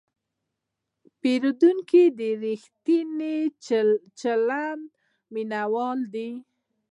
پیرودونکی د ریښتیني چلند مینهوال دی.